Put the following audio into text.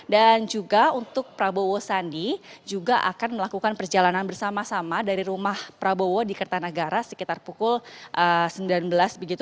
dan juga untuk prabowo sandi juga akan melakukan perjalanan bersama sama dari rumah prabowo di kertanagara sekitar pukul sembilan belas begitu